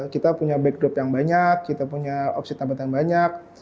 kita punya backdrop yang banyak kita punya opsi tambahan banyak